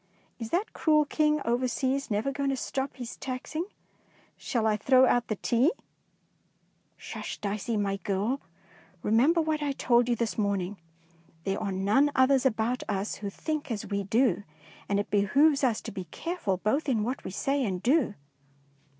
Is that cruel King over seas never going to stop his taxing? Shall I throw out the tea? " "S'hush, Dicey, my girl. Remem ber what I told you this morning. There are none others about us who think as we do, and it behoves us to be careful both in what we say and do.